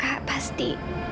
iya kak pasti